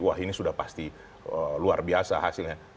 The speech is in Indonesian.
wah ini sudah pasti luar biasa hasilnya